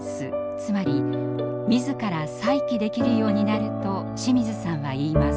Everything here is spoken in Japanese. つまり自ら再起できるようになると清水さんは言います。